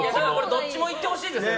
どっちも行ってほしいですね。